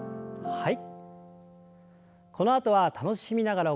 はい。